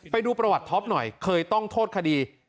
ไปดูประวัติท็อปหน่อยเคยต้องโทษคดี